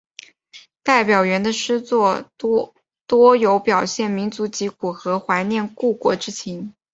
戴表元的诗作多有表现民间疾苦和怀念故国之情。